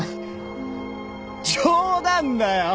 冗談だよ！